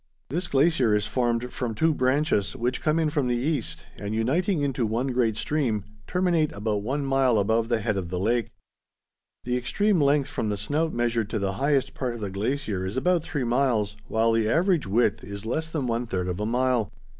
This glacier is formed from two branches, which come in from the east, and uniting into one great stream, terminate about one mile above the head of the lake. The extreme length from the snout measured to the highest part of the glacier is about three miles, while the average width is less than one third of a mile.